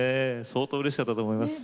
相当うれしかったと思います。